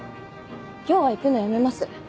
今日は行くのやめます。